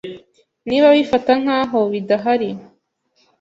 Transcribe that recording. niba abifata nkaho bidahari